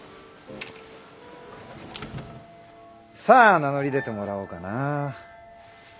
さあ名乗り出てもらおうかな。